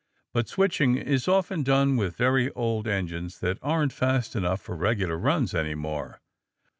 But switching is often done with very old engines that aren't fast enough for regular runs any more.